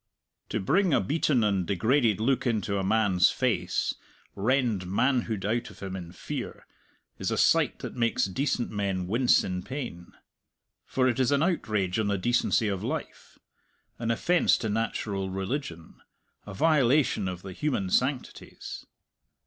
To bring a beaten and degraded look into a man's face, rend manhood out of him in fear, is a sight that makes decent men wince in pain; for it is an outrage on the decency of life, an offence to natural religion, a violation of the human sanctities.